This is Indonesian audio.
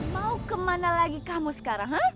mau kemana lagi kamu sekarang